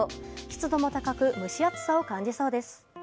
湿度も高く蒸し暑さを感じそうです。